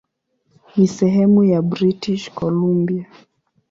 Ni sehemu ya British Columbia.